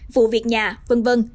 phụ việc nhà v v